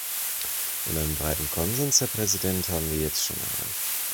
Und einen breiten Konsens, Herr Präsident, haben wir jetzt schon erreicht.